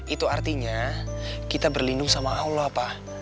itu artinya kita berlindung sama allah pak